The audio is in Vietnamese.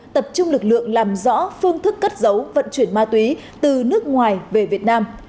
tập trung lực lượng làm rõ phương thức cất giấu vận chuyển ma túy từ nước ngoài về việt nam